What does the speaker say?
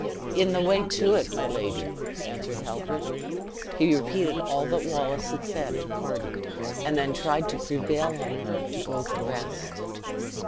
"In the way to it, my lady!" answered Halbert. He repeated all that Wallace had said at parting, and then tried to prevail on her to go to rest.